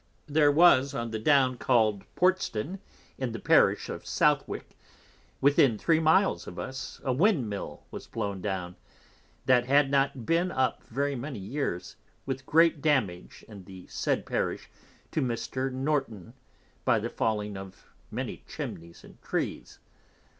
There was on the Down called Portsdown, in the Parish of Southwick, within three Miles of us, a Wind Mill was blown down, that had not been up very many Years, with great damage in the said Parish to Mr. Norton, by the fall of many Chimneys and Trees.